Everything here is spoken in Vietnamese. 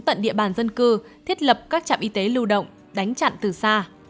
tận địa bàn dân cư thiết lập các trạm y tế lưu động đánh chặn từ xa